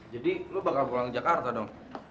jadi lo bakal pulang ke jakarta dong